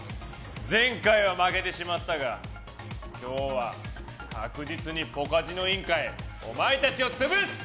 前回は負けてしまったが今日は確実にポカジノ委員会お前たちを潰す！